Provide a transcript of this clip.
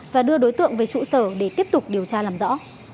và đưa đối tượng về trụ sở để tiếp tục điều tra làm rõ